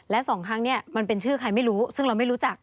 และสองครั้งนี้มันเป็นชื่อใครไม่รู้ซึ่งเราไม่รู้จัก